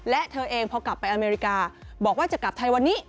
และเธอเองพอกลับไปอเมริกาบอกว่าจะกลับไทยวันนี้